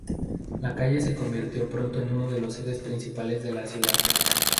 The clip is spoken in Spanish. La calle se convirtió pronto en uno de los ejes principales de la ciudad.